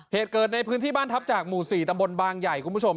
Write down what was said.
เหตุเกิดในพื้นที่บ้านทัพจากหมู่๔ตำบลบางใหญ่คุณผู้ชม